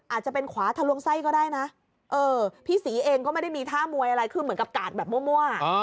อาจจะเป็นขวาทะลวงไส้ก็ได้นะเออพี่ศรีเองก็ไม่ได้มีท่ามวยอะไรคือเหมือนกับกาดแบบมั่ว